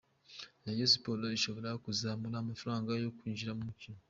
Rayon Sports ishobora kuzamura amafaranga yo kwinjira ku mukino.